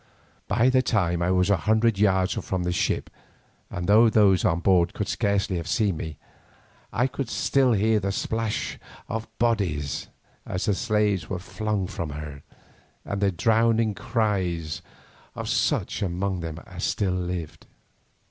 By this time I was a hundred yards or more from the ship, and though those on board could scarcely have seen me, I could still hear the splash of the bodies, as the slaves were flung from her, and the drowning cries of such among them as still lived.